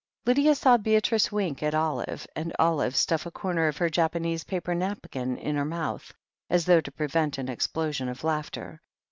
Lydia saw Beatrice wink at Olive, and Olive stuff a comer of her Japanese paper napkin into her mouth, as though to prevent an explosion of laughter.